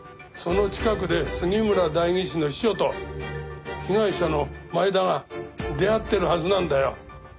その近くで杉村代議士の秘書と被害者の前田が出会ってるはずなんだよ。